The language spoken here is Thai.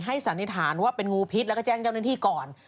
สันนิษฐานว่าเป็นงูพิษแล้วก็แจ้งเจ้าหน้าที่ก่อน